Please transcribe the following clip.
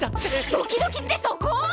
ドキドキってそこ！？